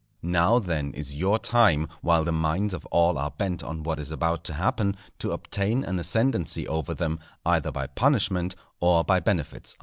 Now, then, is your time, while the minds of all are bent on what is about to happen, to obtain an ascendency over them, either by punishment or by benefits.